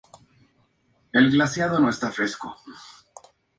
Se crea así "La Opinión de Murcia" y posteriormente "La Opinión de Zamora".